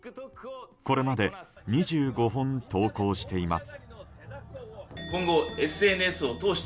これまで２５本投稿しています。